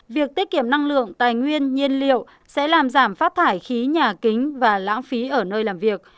việc tiết kiệm năng lượng tài nguyên nhiên liệu sẽ làm giảm phát thải khí nhà kính và lãng phí ở nơi làm việc